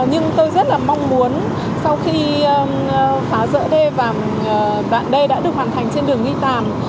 nhưng tôi rất là mong muốn sau khi phá rỡ đê và đoạn đê đã được hoàn thành trên đường nghi tàng